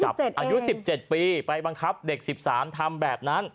อายุ๑๗ปีไปบังคับเด็ก๑๓ทำแบบนั้น